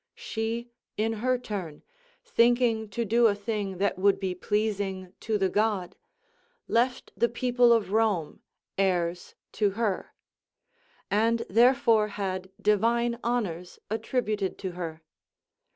She, in her turn, thinking to do a thing that would be pleasing to the god, left the people of Rome heirs to her; and therefore had divine honours attributed to her.